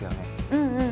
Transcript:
うんうん。